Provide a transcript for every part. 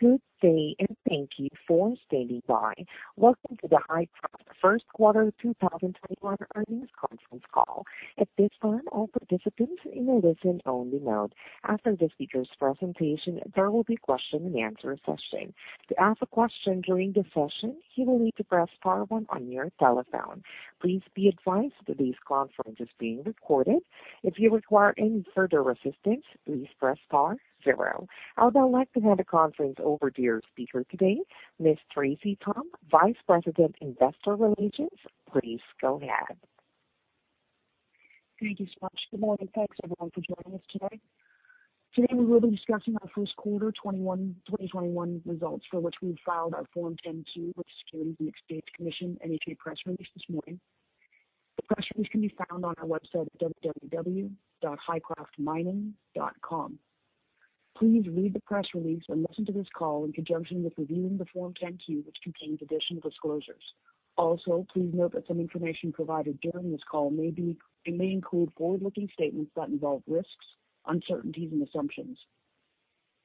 Good day, and thank you for standing by. Welcome to the Hycroft First Quarter 2021 Earnings Conference Call. At this time, all participants in a listen-only mode. After the speakers' presentation, there will be a question-and-answer session. To ask a question during the session, you will need to press star one on your telephone. Please be advised that this conference is being recorded. If you require any further assistance, please press star zero. I would now like to hand the conference over to your speaker today, Ms. Tracey Thom, Vice President, Investor Relations. Please go ahead. Thank you so much. Good morning, folks, and thank you for joining us today. Today, we will be discussing our first quarter 2021 results for which we filed our Form 10-Q with the Securities and Exchange Commission in a press release this morning. The press release can be found on our website at www.hycroftmining.com. Please read the press release and listen to this call in conjunction with reviewing the Form 10-Q, which contains additional disclosures. Please note that some information provided during this call may include forward-looking statements that involve risks, uncertainties, and assumptions.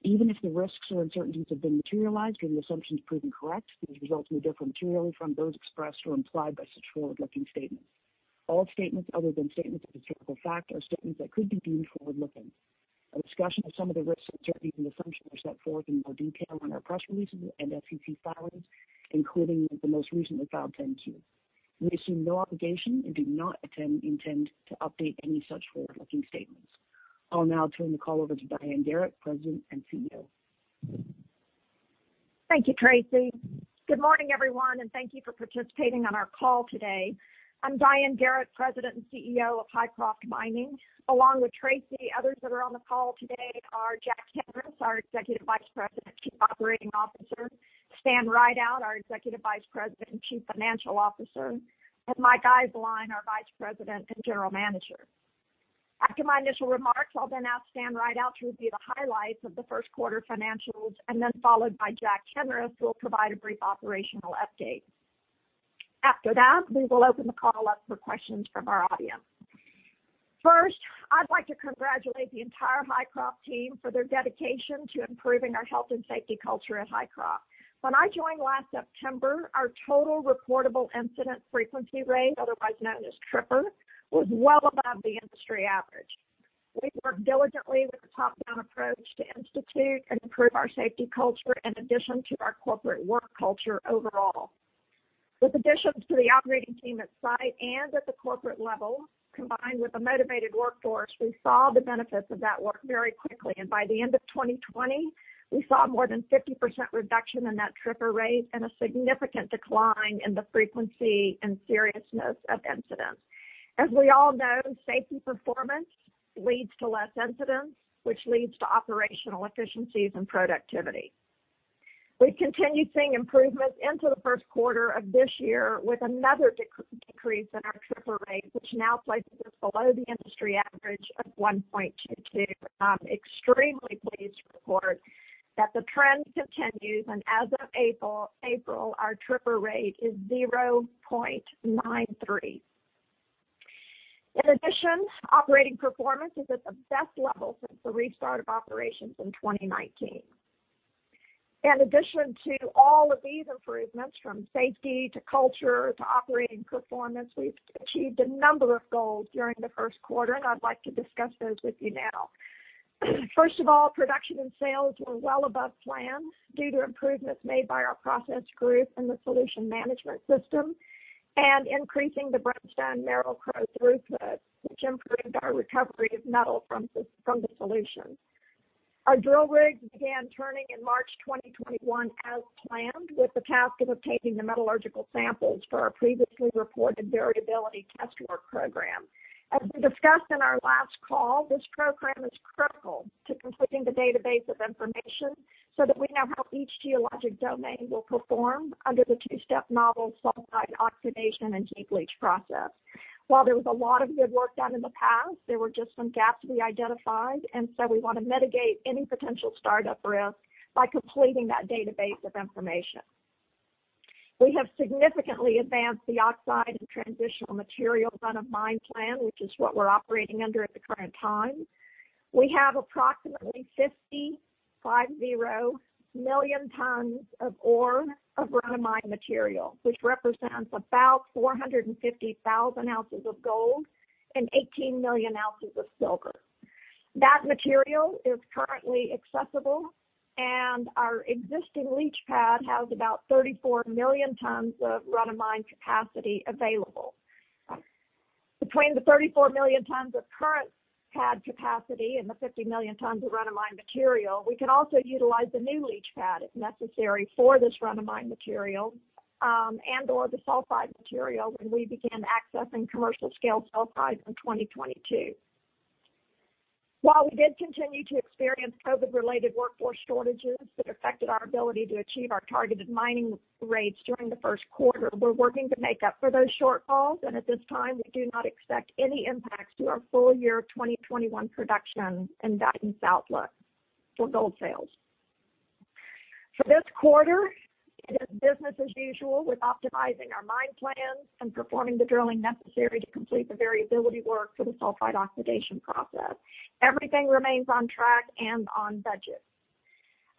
Even if the risks or uncertainties have been materialized and the assumptions proven correct, these results may differ materially from those expressed or implied by such forward-looking statements. All statements other than statements of historical fact are statements that could be deemed forward-looking. A discussion of some of the risks, uncertainties, and assumptions are set forth in more detail in our press releases and SEC filings, including the most recently filed 10-Q. We assume no obligation and do not intend to update any such forward-looking statements. I'll now turn the call over to Diane Garrett, President and CEO. Thank you, Tracey. Good morning, everyone, and thank you for participating on our call today. I'm Diane Garrett, President and CEO of Hycroft Mining. Along with Tracey, others that are on the call today are Jack Henris, our Executive Vice President and Chief Operating Officer, Stan Rideout, our Executive Vice President and Chief Financial Officer, and Mike Eiselein, our Vice President and General Manager. After my initial remarks, I'll then ask Stan Rideout to review the highlights of the first quarter financials, and then followed by Jack Henris, who will provide a brief operational update. After that, we will open the call up for questions from our audience. First, I'd like to congratulate the entire Hycroft team for their dedication to improving our health and safety culture at Hycroft. When I joined last September, our total recordable incident frequency rate, otherwise known as TRIFR, was well above the industry average. We worked diligently with a top-down approach to institute and improve our safety culture in addition to our corporate work culture overall. With additions to the operating team at site and at the corporate level, combined with a motivated workforce, we saw the benefits of that work very quickly, and by the end of 2020, we saw more than 50% reduction in that TRIFR rate and a significant decline in the frequency and seriousness of incidents. As we all know, safety performance leads to less incidents, which leads to operational efficiencies and productivity. We continue seeing improvements into the first quarter of this year with another decrease in our TRIFR rate, which now places us below the industry average of 1.22. I'm extremely pleased to report that the trend continues, and as of April, our TRIFR rate is 0.93. In addition, operating performance is at the best level since the restart of operations in 2019. In addition to all of these improvements, from safety to culture to operating performance, we've achieved a number of goals during the first quarter, and I'd like to discuss those with you now. First of all, production and sales were well above plan, due to improvements made by our process group and the solution management system and increasing the bench turnover, which improved our recovery of metal from the solution. Our drill rig began turning in March 2021 as planned, with the task of taking the metallurgical samples for our previously reported variability test work program. As we discussed in our last call, this program is critical to completing the database of information so that we know how each geologic domain will perform under the two-step novel sulfide oxidation and heap leach process. While there was a lot of good work done in the past, there were just some gaps we identified, and so we want to mitigate any potential startup risk by completing that database of information. We have significantly advanced the oxide and transitional material run of mine plan, which is what we're operating under at the current time. We have approximately 50, 50 million tons of ore of run of mine material, which represents about 450,000 oz of gold and 18 million oz of silver. That material is currently accessible, and our existing leach pad has about 34 million tons of run of mine capacity available. Between the 34 million tons of current pad capacity and the 50 million tons of run of mine material, we can also utilize a new leach pad if necessary for this run of mine material, and/or the sulfide material when we begin accessing commercial scale sulfides in 2022. While we did continue to experience COVID-related workforce shortages that affected our ability to achieve our targeted mining rates during the first quarter, we're working to make up for those shortfalls, and at this time, we do not expect any impacts to our full year 2021 production and guidance outlook for gold sales. For this quarter it's business as usual with optimizing our mine plans and performing the drilling necessary to complete the variability work for the sulfide oxidation process. Everything remains on track and on budget.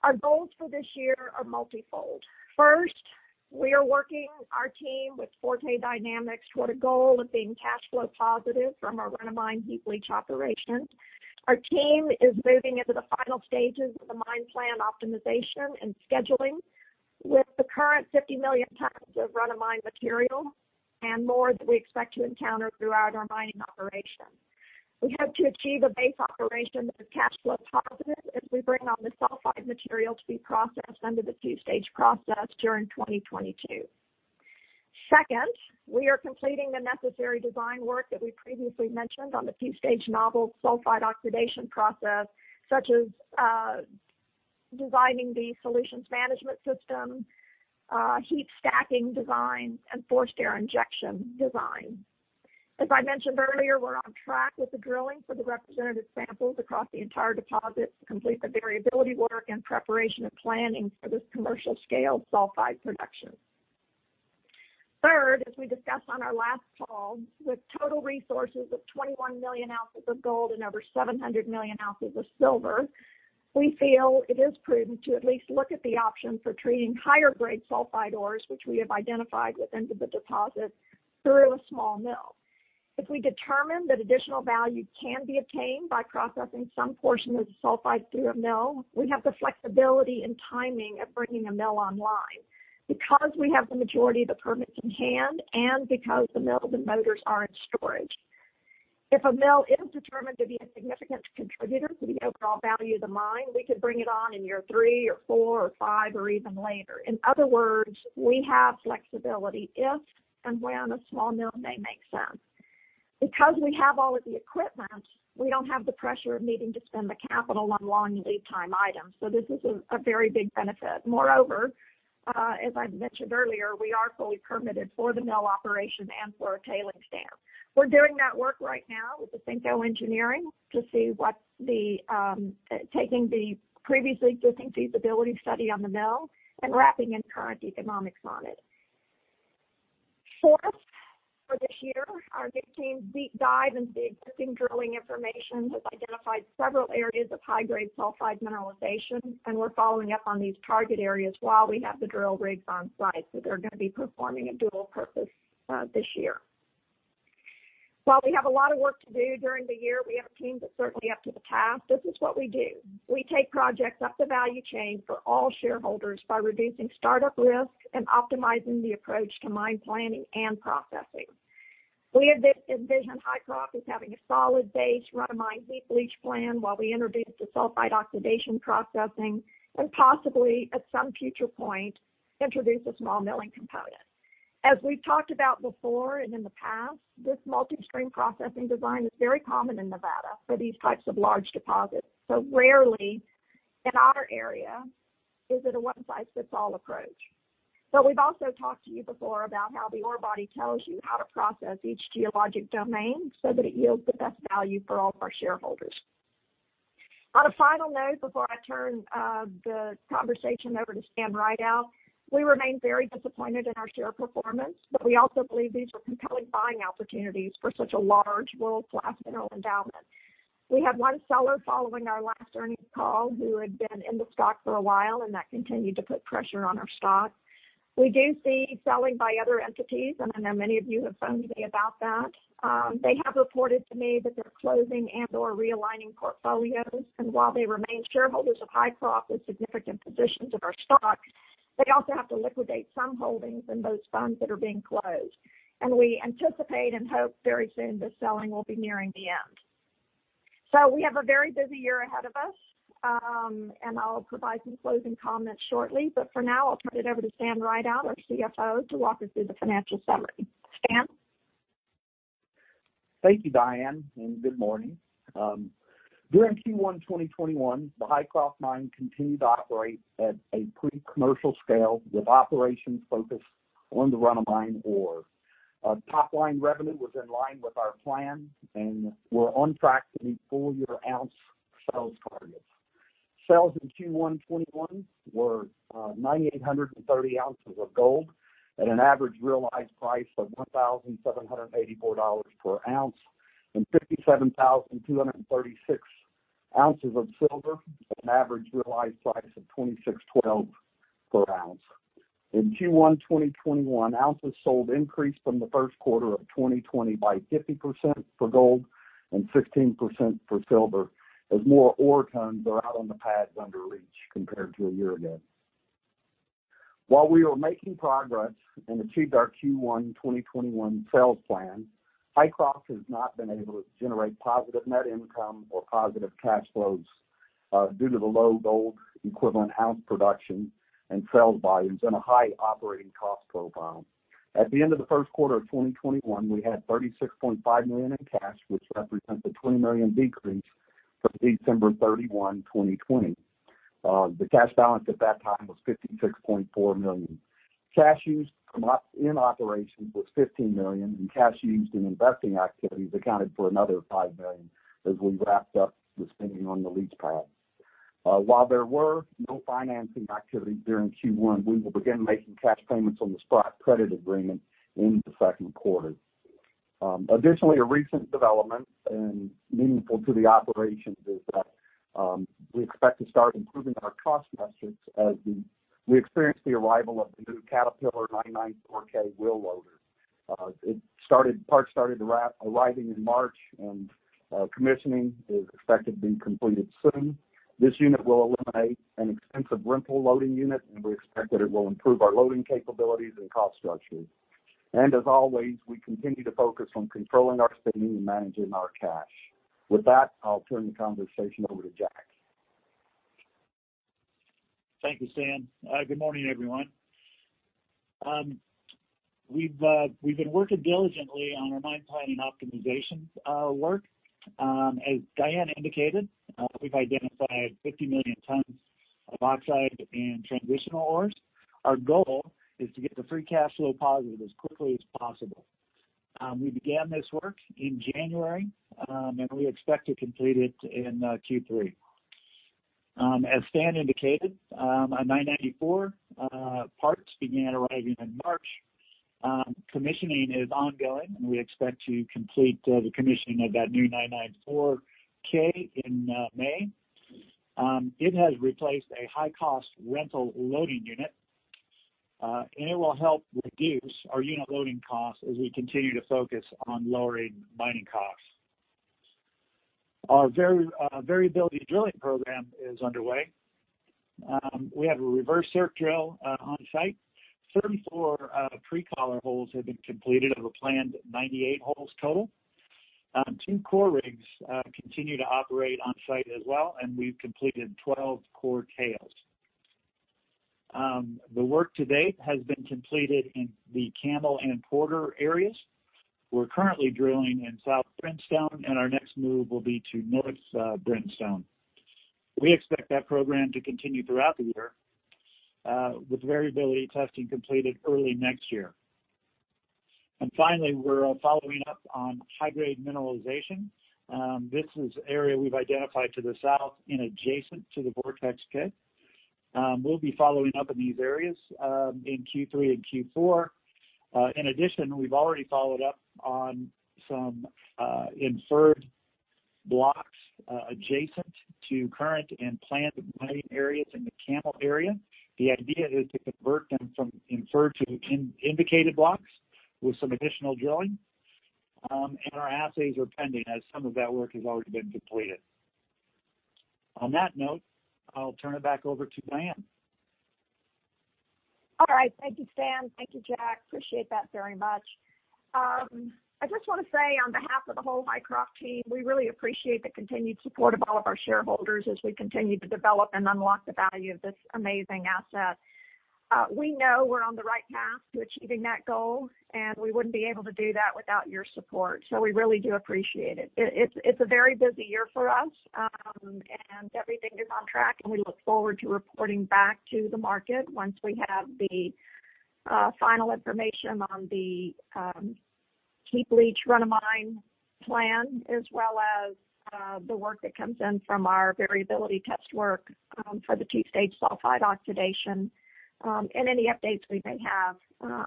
Our goals for this year are multi-fold. First, we are working with our team at Forte Dynamics toward a goal of being cash flow positive from our run-of-mine heap leach operation. Our team is moving into the final stages of the mine plan optimization and scheduling with the current 50 million tons of run-of-mine material and more that we expect to encounter throughout our mining operation. We hope to achieve a base operation that is cash flow positive as we bring on the sulfide material to be processed under the two-stage process during 2022. Second, we are completing the necessary design work that we previously mentioned on the two-stage novel sulfide oxidation process, such as designing the solutions management system, heap stacking design, and forced air injection design. As I mentioned earlier, we're on track with the drilling for the representative samples across the entire deposit to complete the variability work in preparation of planning for this commercial scale sulfide production. Third, as we discussed on our last call, with total resources of 21 million oz of gold and over 700 million oz of silver, we feel it is prudent to at least look at the option for treating higher-grade sulfide ores, which we have identified within the deposit through a small mill. If we determine that additional value can be obtained by processing some portion of the sulfide through a mill, we have the flexibility and timing of bringing a mill online because we have the majority of the permits in hand, and because the mills and motors are in storage. If a mill is determined to be a significant contributor to the overall value of the mine, we could bring it on in year three or four or five or even later. In other words, we have flexibility if and when a small mill may make sense. Because we have all of the equipment, we don't have the pressure of needing to spend the capital on long lead time items. This is a very big benefit. Moreover, as I mentioned earlier, we are fully permitted for the mill operation and for a tailings dam. We're doing that work right now with Ausenco Engineering to see taking the previously existing feasibility study on the mill and wrapping in current economics on it. Fourth, over the year, our deep dive into existing drilling information has identified several areas of high-grade sulfide mineralization, we're following up on these target areas while we have the drill rigs on site. They're going to be performing a dual purpose this year. While we have a lot of work to do during the year, we have teams that certainly have the past. This is what we do. We take projects up the value chain for all shareholders by reducing startup risk and optimizing the approach to mine planning and processing. We envision Hycroft as having a solid base run-of-mine heap leach plan while we introduce the sulfide oxidation processing and possibly at some future point, introduce a small milling component. As we've talked about before and in the past, this multi-stream processing design is very common in Nevada for these types of large deposits. Rarely in our area is it a one size fits all approach. We've also talked to you before about how the ore body tells you how to process each geologic domain so that it yields the best value for all of our shareholders. On a final note, before I turn the conversation over to Stan Rideout, we remain very disappointed in our share performance, we also believe these are compelling buying opportunities for such a large world-class metal endowment. We had one seller following our last earnings call who had been in the stock for a while, that continued to put pressure on our stock. We do see selling by other entities, I know many of you have phoned me about that. They have reported to me that they're closing and/or realigning portfolios. While they remain shareholders of Hycroft with significant positions of our stock, they also have to liquidate some holdings in those funds that are being closed. We anticipate and hope very soon the selling will be nearing the end. We have a very busy year ahead of us, and I'll provide some closing comments shortly, but for now, I'll turn it over to Stan Rideout, our CFO, to walk us through the financial summary. Stan? Thank you, Diane. Good morning. During Q1 2021, the Hycroft Mine continued to operate at a pre-commercial scale with operations focused on the run of mine ore. Top line revenue was in line with our plan. We're on track to meet full year ounce sales targets. Sales in Q1 2021 were 9,830 oz of gold at an average realized price of $1,784/oz and 57,236 oz of silver at an average realized price of $26.12/oz. In Q1 2021, ounces sold increased from the first quarter of 2020 by 50% for gold and 16% for silver, as more ore tons are out on the pads under leach compared to a year ago. While we are making progress and achieved our Q1 2021 sales plan, Hycroft has not been able to generate positive net income or positive cash flows due to the low gold equivalent ounce production and sales volumes and a high operating cost profile. At the end of the first quarter of 2021, we had $36.5 million in cash, which represents a $20 million decrease from December 31, 2020. The cash balance at that time was $56.4 million. Cash used in operations was $15 million, and cash used in investing activities accounted for another $5 million as we wrapped up the spending on the leach pad. While there were no financing activities during Q1, we will begin making cash payments on the Sprott credit agreement in the second quarter. Additionally, a recent development and meaningful to the operations is that we expect to start improving our cost metrics as we experience the arrival of the new CAT Wheel Loader 994K wheel loader. Parts started arriving in March, and commissioning is expected to be completed soon. This unit will eliminate an expensive rental loading unit, and we expect that it will improve our loading capabilities and cost structure. As always, we continue to focus on controlling our spending and managing our cash. With that, I'll turn the conversation over to Jack. Thank you, Stan. Good morning, everyone. We've been working diligently on our mine plan and optimization work. As Diane indicated, we've identified 50 million tons of oxide and transitional ores. Our goal is to get to free cash flow positive as quickly as possible. We began this work in January. We expect to complete it in Q3. As Stan indicated, on 994 parts began arriving in March. Commissioning is ongoing. We expect to complete the commissioning of that new 994K in May. It has replaced a high-cost rental loading unit. It will help reduce our unit loading costs as we continue to focus on lowering mining costs. Our variability drilling program is underway. We have a reverse circ drill on-site. 34 pre-collar holes have been completed of a planned 98 holes total. Two core rigs continue to operate on-site as well. We've completed 12 core tails. The work to date has been completed in the Camel and Porter areas. We're currently drilling in South Brimstone, and our next move will be to North Brimstone. We expect that program to continue throughout the year, with variability testing completed early next year. Finally, we're following up on high-grade mineralization. This is an area we've identified to the south and adjacent to the Vortex Pit. We'll be following up in these areas in Q3 and Q4. In addition, we've already followed up on some inferred blocks adjacent to current and planned mining areas in the Camel area. The idea is to convert them from inferred to indicated blocks with some additional drilling. Our assays are pending as some of that work has already been completed. On that note, I'll turn it back over to Diane. All right. Thank you, Stan. Thank you, Jack. Appreciate that very much. I just want to say on behalf of the whole Hycroft team, we really appreciate the continued support of all of our shareholders as we continue to develop and unlock the value of this amazing asset. We know we're on the right path to achieving that goal, and we wouldn't be able to do that without your support. We really do appreciate it. It's a very busy year for us, and everything is on track, and we look forward to reporting back to the market once we have the final information on the heap leach run of mine plan, as well as the work that comes in from our variability test work for the two-stage sulfide oxidation, and any updates we may have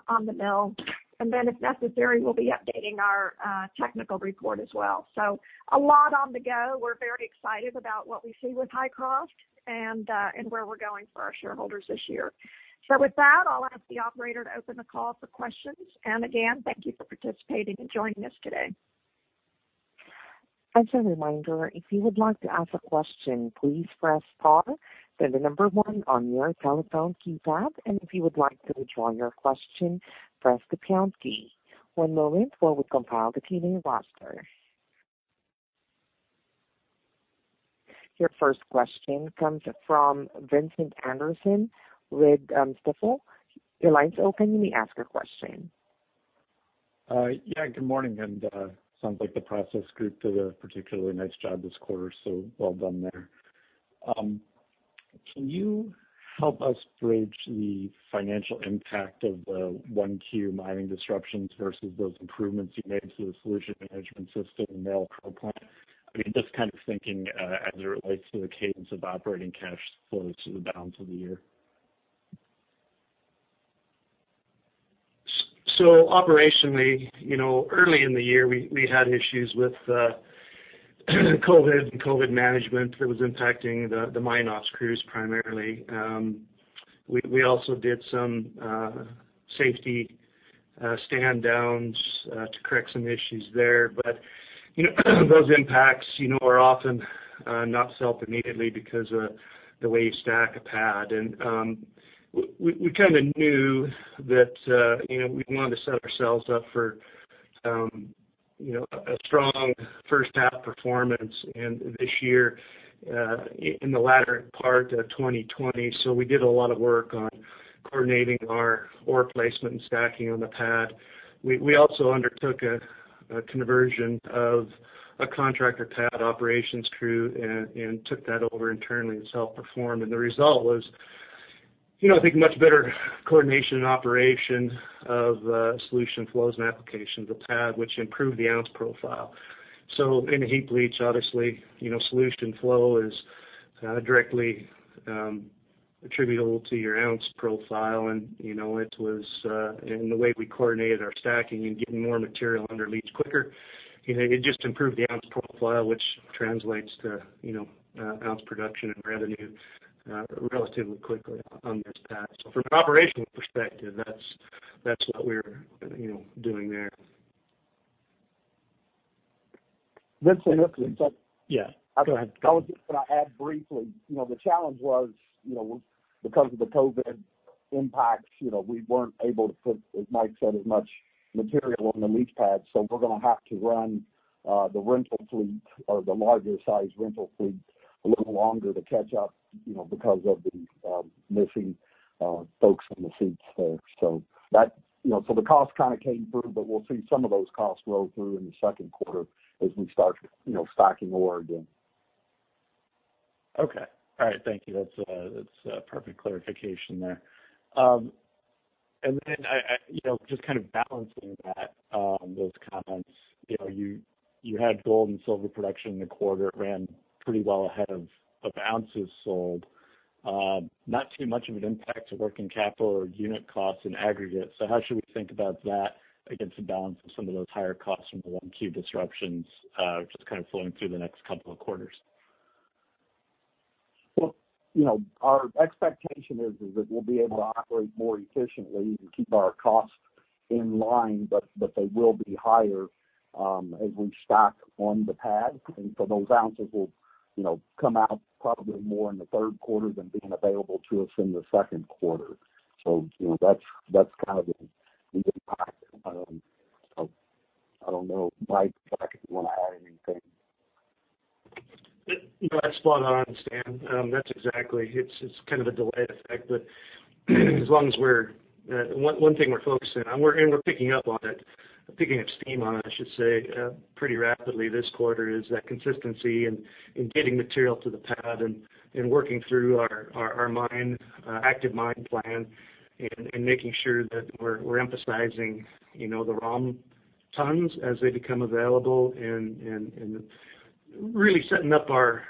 on the mill. Then if necessary, we'll be updating our technical report as well. A lot on the go. We're very excited about what we see with Hycroft and where we're going for our shareholders this year. With that, I'll ask the operator to open the call for questions. Again, thank you for participating and joining us today. As a reminder, if you would like to ask a question, please press star, then the number one on your telephone keypad. If you would like to withdraw your question, press the pound key. One moment while we compile the queuing roster. Your first question comes from Vincent Anderson with Stifel. Your line's open. You may ask your question. Good morning, sounds like the process group did a particularly nice job this quarter, so well done there. Can you help us bridge the financial impact of the one-off mining disruptions versus those improvements you made to the solution management system in the mill compound? I mean, just kind of thinking as it relates to the cadence of operating cash flows through the balance of the year. Operationally, early in the year, we had issues with COVID and COVID management that was impacting the mine ops crews primarily. We also did some safety stand downs to correct some issues there. Those impacts are often not felt immediately because of the way you stack a pad. We kind of knew that we'd want to set ourselves up for a strong first half performance this year in the latter part of 2020. We did a lot of work on coordinating our ore placement and stacking on the pad. We also undertook a conversion of a contractor pad operations crew and took that over internally to self-perform. The result was, I think much better coordination and operation of solution flows and applications of the pad, which improved the ounce profile. In a heap leach, obviously, solution flow is directly attributable to your ounce profile. The way we coordinated our stacking and getting more material under leach quicker, it just improved the ounce profile, which translates to ounce production and revenue relatively quickly on this pad. From an operational perspective, that's what we're doing there. Listen, if we-- Yeah, go ahead. I'll just add briefly. The challenge was, because of the COVID impacts, we weren't able to put, as Mike said, as much material on the leach pad. We're going to have to run the rental fleet or the larger size rental fleet a little longer to catch up, because of the missing folks from the fleet. The cost kind of came through, but we'll see some of those costs roll through in the second quarter as we start stacking ore again. Okay. All right. Thank you. That's a perfect clarification there. Then, just kind of balancing that, those comments, you had gold and silver production in the quarter. It ran pretty well ahead of ounces sold. Not too much of an impact to working capital or unit costs in aggregate. How should we think about that against the balance of some of those higher costs from the one-off disruptions, just kind of flowing through the next couple of quarters? Our expectation is that we'll be able to operate more efficiently and keep our costs in line, but that they will be higher, as we stack on the pad. Those ounces will come out probably more in the third quarter than being available to us in the second quarter. That's kind of the impact. I don't know, Mike, if you want to add anything. That's spot on, Stan. That's exactly, it's kind of a delayed effect, but one thing we're focusing on, and we're picking up on it, picking up steam on it, I should say, pretty rapidly this quarter, is that consistency in getting material to the pad and working through our active mine plan and making sure that we're emphasizing the ROM tons as they become available and really setting up our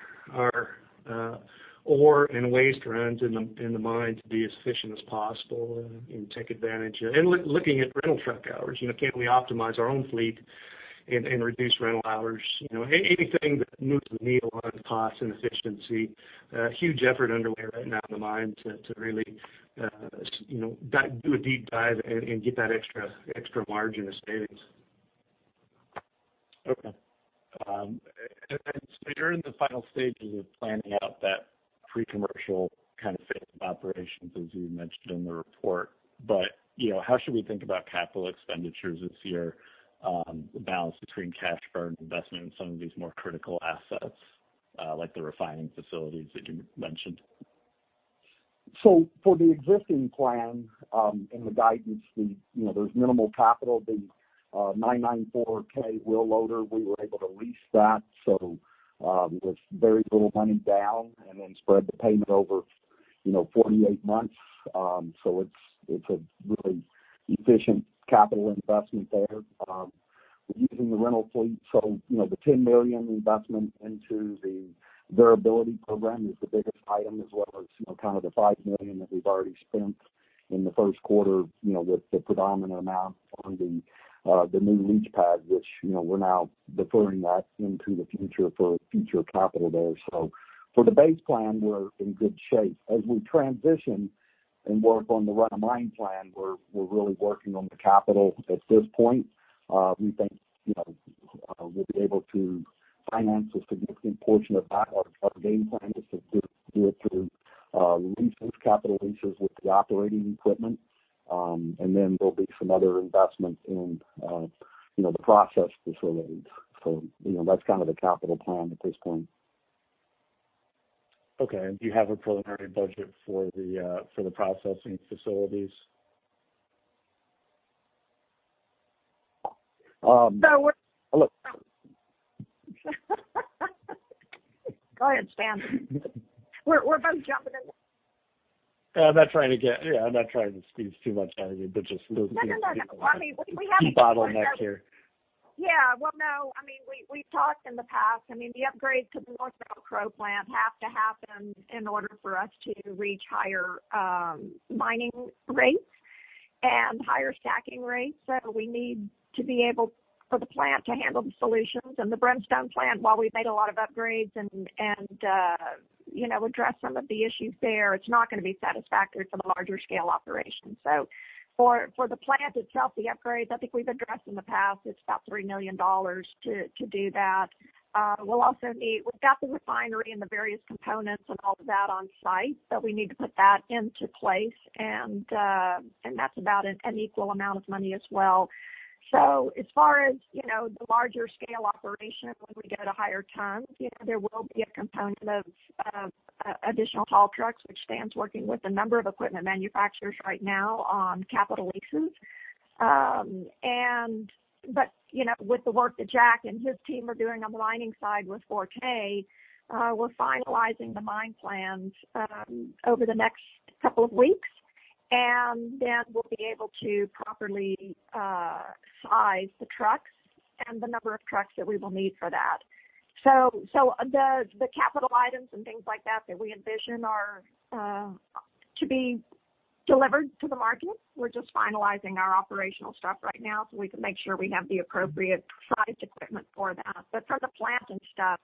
ore and waste trends in the mine to be as efficient as possible and take advantage and looking at rental truck hours. Can we optimize our own fleet and reduce rental hours? Anything that moves the needle on cost and efficiency. A huge effort underway right now at the mine to really do a deep dive and get that extra margin of savings. You're in the final stages of planning out that pre-commercial kind of phase of operations, as you mentioned in the report. How should we think about capital expenditures this year, the balance between cash burn investment in some of these more critical assets, like the refining facilities that you mentioned? For the existing plan, in the guidance, there's minimal capital. The 994K wheel loader, we were able to lease that, so there's very little money down and then spread the payment over 48 months. It's a really efficient capital investment there. We're using the rental fleet. The $10 million investment into the variability program is the biggest item, as well as kind of the $5 million that we've already spent in the first quarter with the predominant amount on the new leach pad, which we're now deferring that into the future for future capital there. For the base plan, we're in good shape. As we transition and work on the run of mine plan, we're really working on the capital at this point. We think we'll be able to finance a significant portion of that or gain finance a good deal through leases, capital leases with the operating equipment, and then there'll be some other investment in the process facilities. That's kind of the capital plan at this point. Okay, do you have a preliminary budget for the processing facilities? Go ahead, Stan. We're both jumping in. I'm not trying to speed us too much here, but just a little bit. Keep bottlenecked here. Yeah, well, no, we've talked in the past. I mean, the upgrades to the Merrill-Crowe plant have to happen in order for us to reach higher mining rates and higher stacking rates. We need to be able for the plant to handle the solutions and the Brimstone plant while we make a lot of upgrades and address some of the issues there. It's not going to be satisfactory for the larger scale operation. For the plant itself, the upgrades, I think we've addressed in the past, it's about $3 million to do that. We've got the refinery and the various components of all of that on site, but we need to put that into place, and that's about an equal amount of money as well. As far as the larger scale operation, if we were to get a higher ton, there will be a component of additional haul trucks, which Stan's working with a number of equipment manufacturers right now on capital leases. With the work that Jack and his team are doing on the mining side with Forte, we're finalizing the mine plans over the next couple of weeks, and then we'll be able to properly size the trucks and the number of trucks that we will need for that. The capital items and things like that we envision are to be delivered to the margins. We're just finalizing our operational stuff right now so we can make sure we have the appropriate size equipment for that. For the plant and stuff,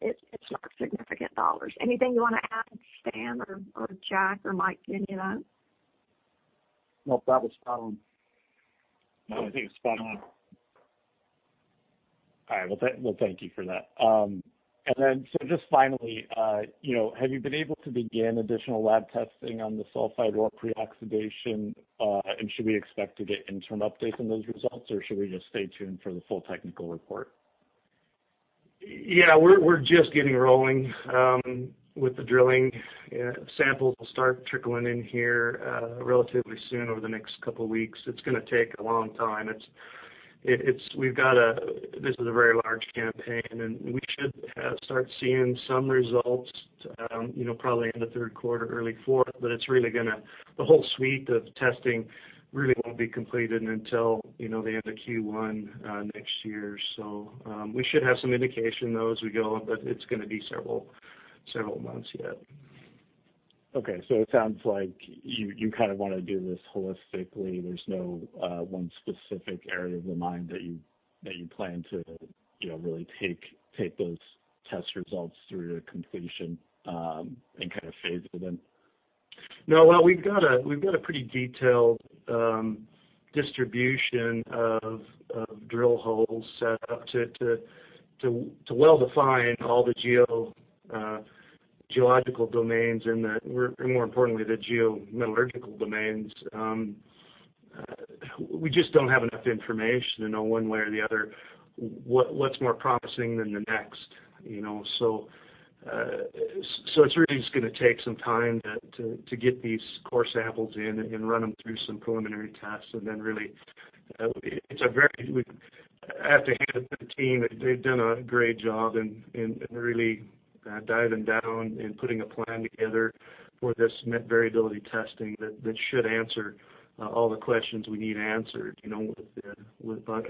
it's not significant dollars. Anything you want to add, Stan or Jack or Mike, any of you on? No, that was all. No, I think it's spot on. All right. Well, thank you for that. Just finally, have you been able to begin additional lab testing on the sulfide ore pre-oxidation? Should we expect to get interim updates on those results, or should we just stay tuned for the full technical report? Yeah, we're just getting rolling with the drilling. Samples will start trickling in here relatively soon over the next couple of weeks. It's going to take a long time. This is a very large campaign, and we should start seeing some results probably end of third quarter, early fourth, but the whole suite of testing really won't be completed until the end of Q1 next year. We should have some indication, though, as we go, but it's going to be several months yet. Okay, it sounds like you want to do this holistically. There's no one specific area of the mine that you plan to really take those test results through to completion and kind of phase them in. No. Well, we've got a pretty detailed distribution of drill holes set up to well define all the geological domains and more importantly, the geo-metallurgical domains. We just don't have enough information to know one way or the other what's more promising than the next. It's really just going to take some time to get these core samples in and run them through some preliminary tests. Really, hat to hand it to the team, they've done a great job in really diving down and putting a plan together for this variability testing that should answer all the questions we need answered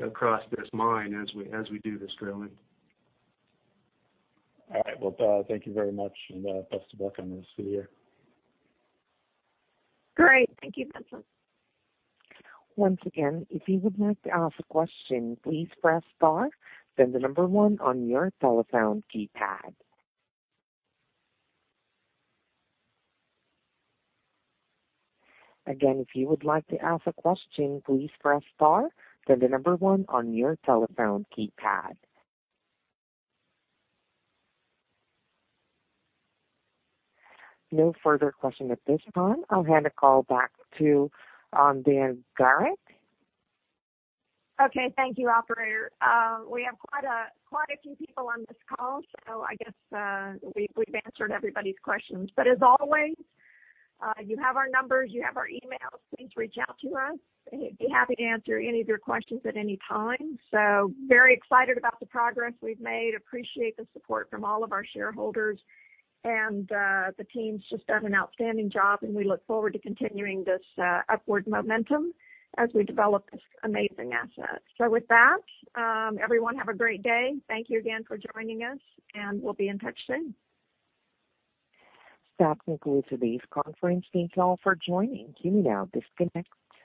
across this mine as we do this drilling. All right. Well, thank you very much, and best of luck for upcoming years. Great. Thank you. No further questions at this time. I'll hand the call back to Diane Garrett. Okay. Thank you, operator. We have quite a few people on this call, so I guess we've answered everybody's questions. As always, you have our numbers, you have our emails. Please reach out to us. Be happy to answer any of your questions at any time. Very excited about the progress we've made. Appreciate the support from all of our shareholders, and the team's just done an outstanding job, and we look forward to continuing this upward momentum as we develop this amazing asset. With that, everyone have a great day. Thank you again for joining us, and we'll be in touch soon. That concludes today's conference. Thank you all for joining. You may now disconnect.